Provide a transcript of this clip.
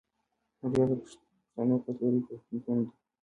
حجره د پښتنو کلتوري پوهنتون دی.